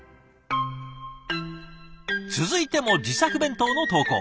続いても自作弁当の投稿。